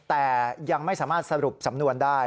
แต่ยังไม่สามารถสรุปสำนวนได้